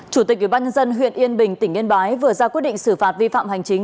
chủ tịch ubnd huyện yên bình tỉnh yên bái vừa ra quyết định xử phạt vi phạm hành chính